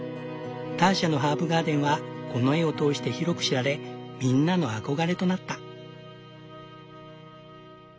ターシャのハーブガーデンはこの絵を通して広く知られみんなの憧れとなった。